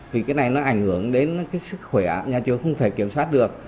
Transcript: thì cái này nó ảnh hưởng đến cái sức khỏe nhà trường không thể kiểm soát được